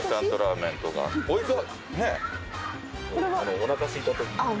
おなかすいたときに。